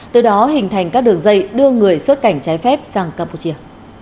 từ đó hình thành các đường dây đưa người xuất cảnh trái phép sang campuchia